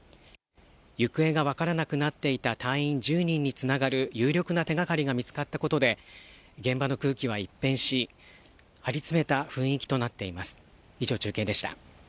行方がわからなくなっていた隊員１０人に繋がる有力な手がかりが見つかったことで、現場の空気は一変し、張り詰めた雰囲気となっています。